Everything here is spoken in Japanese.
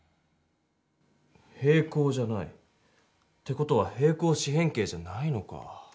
平行じゃない。って事は平行四辺形じゃないのか。